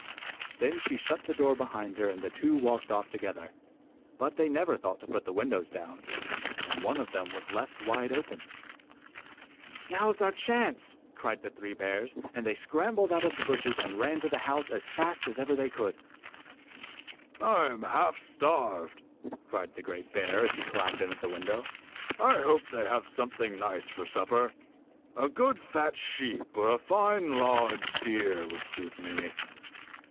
Then she shut the door behind her and the 8 two walked off together ; but they never thought to put the windows down, and one of them was left wide open. 'Now is our chance!' cried the three bears, and they scrambled out of the bushes and ran to the house as fast as ever they could. ' I am half starved,' cried the great bear, as he climbed in at the window. ' I hope they have something nice for supper. A good fat sheep or a fine large deer would suit me.